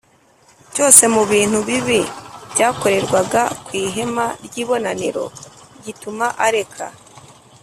cyose mu bintu bibi byakorerwaga ku ihema ry ibonaniro gituma areka